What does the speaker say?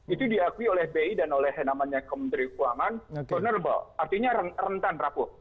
itu diakui oleh bi dan oleh yang namanya kementerian keuangan vulnerable artinya rentan rapuh